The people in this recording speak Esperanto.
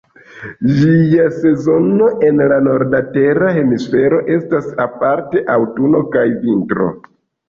Ĝia sezono en la norda tera hemisfero estas aparte aŭtuno kaj vintro.